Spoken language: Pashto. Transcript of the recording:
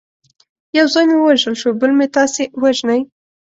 یو زوی مې ووژل شو بل مې تاسي وژنئ.